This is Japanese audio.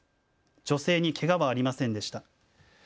女性にけがはありませんでした。